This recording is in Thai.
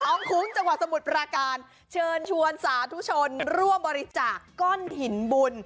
คุ้งจังหวัดสมุทรปราการเชิญชวนสาธุชนร่วมบริจาคก้อนหินบุญ